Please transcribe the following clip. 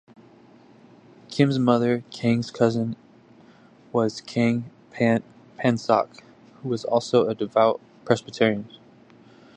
Kim's mother, Kang's cousin, was Kang Pan-sok, who was also a devout Presbyterian.